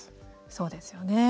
そうですよね。